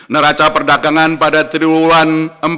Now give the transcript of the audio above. neraca perdagangan pada triwulan empat dua ribu dua puluh